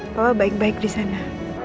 papa baik baik disana